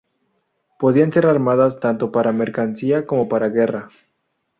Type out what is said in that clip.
Podían ser armadas tanto para mercancía como para guerra.